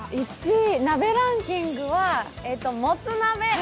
鍋ランキングは、もつ鍋？